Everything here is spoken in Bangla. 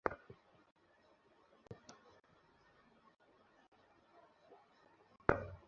আমরা সবাই স্বেচ্ছাশ্রমেই বিশ্বকোষ গঠনের লক্ষ্যে কাজ করছি।